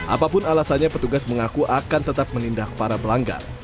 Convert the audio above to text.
apapun alasannya petugas mengaku akan tetap menindah para pelanggan